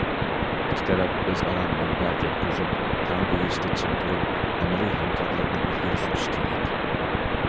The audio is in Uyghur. ئىككى تەرەپ ئۆزئارا مەنپەئەت يەتكۈزۈپ تەڭ بېيىشتا چىڭ تۇرۇپ، ئەمەلىي ھەمكارلىقنى ئىلگىرى سۈرۈش كېرەك.